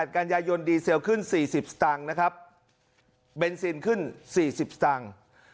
กันยายนดีเซลขึ้น๔๐สตางค์นะครับเบนซินขึ้น๔๐สตางค์